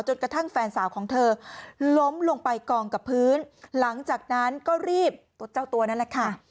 จนกระทั่งแฟนสาวของเธอล้มลงไปกองกับพื้นหลังจากนั้นก็รีบเจ้าตัวนั่นแหละค่ะ